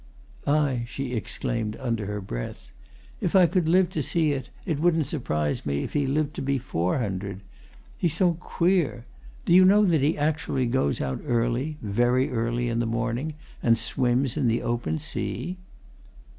"Aye!" she exclaimed, under her breath. "If I could live to see it, it wouldn't surprise me if he lived to be four hundred. He's so queer. Do you know that he actually goes out early very early in the morning and swims in the open sea?"